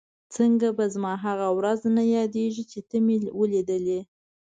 څنګه به زما هغه ورځ نه یادېږي چې ته مې ولیدلې؟